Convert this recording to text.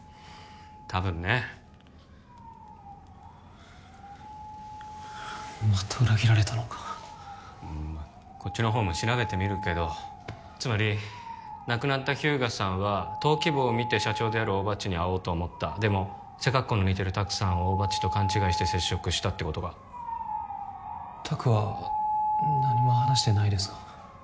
多分ねまた裏切られたのかこっちの方も調べてみるけどつまり亡くなった日向さんは登記簿を見て社長である大庭っちに会おうと思ったでも背格好の似てる拓さんを大庭っちと勘違いして接触したってことか拓は何も話してないですか？